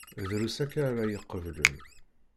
Drus akya ara iqeblen.